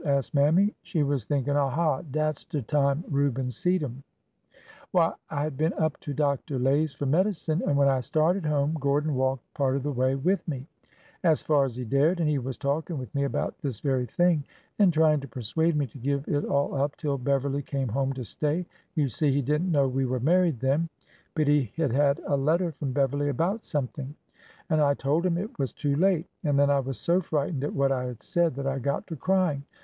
'' asked Mammy. She was thinking, ''A ha ! dat 's de time Reuben seed 'em !" Why, I had been up to Dn Lay's for medicine, and when I started home Gordon walked part of the way with me — as far as he dared; and he was talking with me about this very thing and trying to persuade me to give it all up till Beverly came home to stay (you see, he did n't know we were married then, but he had had a let ter from Beverly about something), and I told him it was too late. And then I was so frightened at what I had said that I got to crying.